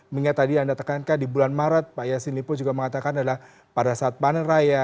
mengingat tadi anda tekankan di bulan maret pak yasin lipo juga mengatakan adalah pada saat panen raya